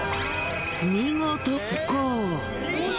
見事成功。